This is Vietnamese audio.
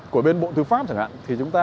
của bên bộ tư pháp chẳng hạn thì chúng ta